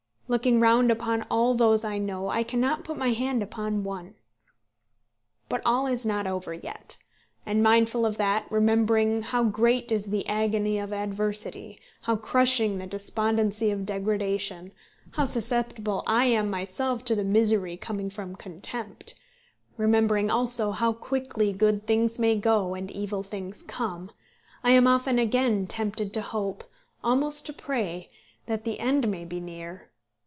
Looking round upon all those I know, I cannot put my hand upon one. But all is not over yet. And, mindful of that, remembering how great is the agony of adversity, how crushing the despondency of degradation, how susceptible I am myself to the misery coming from contempt, remembering also how quickly good things may go and evil things come, I am often again tempted to hope, almost to pray, that the end may be near.